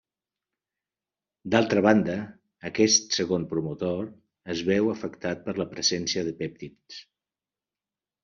D'altra banda, aquest segon promotor es veu afectat per la presència de pèptids.